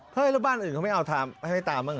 เฮ้ยแล้วบ้านอื่นเขาไม่เอาทำให้ตามบ้างเหรอ